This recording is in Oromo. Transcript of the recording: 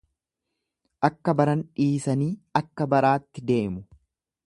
Akka baran dhiisanii akka baraatti deemu.